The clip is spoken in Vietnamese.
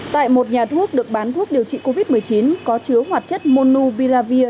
tại một nhà thuốc được bán thuốc điều trị covid một mươi chín có chứa hoạt chất monopiravit